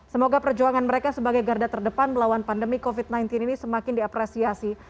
semoga perjuangan mereka sebagai garda terdepan melawan pandemi covid sembilan belas ini semakin diapresiasi